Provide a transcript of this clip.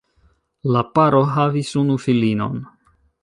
La paro havis unu filinon.